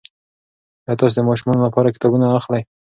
ایا تاسي د ماشومانو لپاره کتابونه اخلئ؟